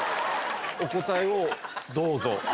お答えをどうぞ。